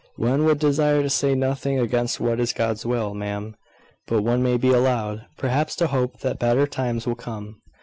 "One would desire to say nothing against what is God's will, ma'am; but one may be allowed, perhaps, to hope that better times will come."